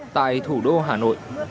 tại thủ đô hà nội